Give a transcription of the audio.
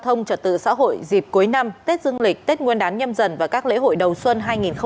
trong trận tự xã hội dịp cuối năm tết dương lịch tết nguyên đán nhâm dần và các lễ hội đầu xuân hai nghìn hai mươi hai